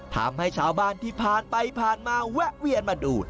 ทำให้ชาวบ้านที่ผ่านไปผ่านมาแวะเวียนมาดู